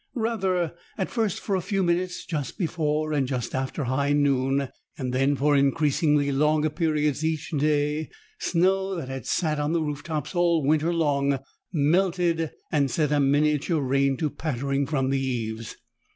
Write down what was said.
Rather, at first for a few minutes just before and just after high noon and then for increasingly longer periods each day, snow that had sat on the roof tops all winter long melted and set a miniature rain to pattering from the eaves.